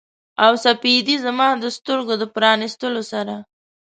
او سپیدې زما د سترګو د پرانیستلو سره